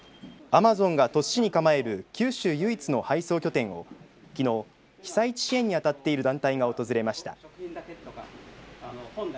アマゾンが鳥栖市に構える九州唯一の配送拠点をきのう被災地支援に当たっている団体が訪れました。